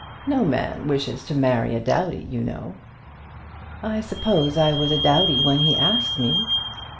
No man wishes to marry a dowdy, you know." "I suppose I was a dowdy when he asked me."